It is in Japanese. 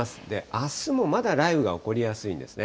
あすもまだ雷雨が起こりやすいんですね。